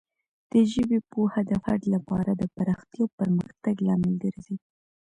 د ژبې پوهه د فرد لپاره د پراختیا او پرمختګ لامل ګرځي.